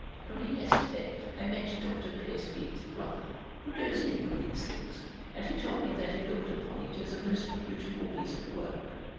Only yesterday I met Dr. Percepied's brother, who goes in for these things, and he told me that he looked upon it as a most beautiful piece of work.